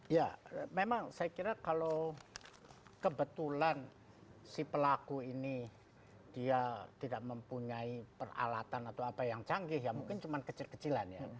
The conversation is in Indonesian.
ya memang saya kira kalau kebetulan si pelaku ini dia tidak mempunyai peralatan atau apa yang canggih ya mungkin cuma kecil kecilan ya